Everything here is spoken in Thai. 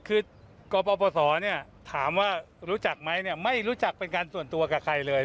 คือกปศถามว่ารู้จักไหมไม่รู้จักเป็นการส่วนตัวกับใครเลย